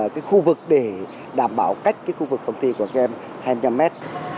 cái khu vực để đảm bảo cách cái khu vực phòng thi của các em hai mươi năm mét